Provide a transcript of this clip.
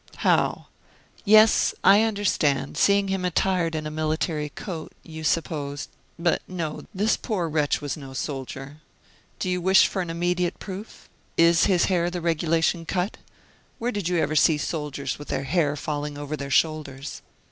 "How " "Yes, I understand. Seeing him attired in a military coat, you supposed But no; this poor wretch was no soldier. Do you wish for an immediate proof? Is his hair the regulation cut? Where did you ever see soldiers with their hair falling over their shoulders?"